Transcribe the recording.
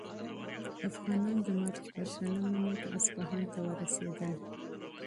افغانان د مارچ په شلمه نېټه اصفهان ته ورسېدل.